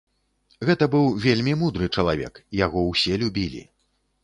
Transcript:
Гэта быў вельмі мудры чалавек, яго ўсе любілі.